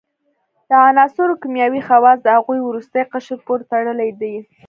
د عناصرو کیمیاوي خواص د هغوي وروستي قشر پورې تړلی دی.